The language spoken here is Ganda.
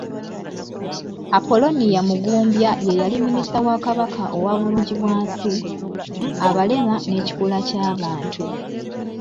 Apolonia Mugumbya ye yali minisita wa Kabaka owa bulungi bwansi, abalema n'ekikula ky'abantu.